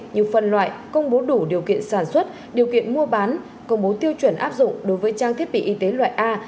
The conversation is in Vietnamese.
như phân loại công bố đủ điều kiện sản xuất điều kiện mua bán công bố tiêu chuẩn áp dụng đối với trang thiết bị y tế loại a